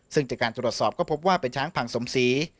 ซึ่งจากการตรวจสอบก็พบว่าเป็นช้างพังสมศรี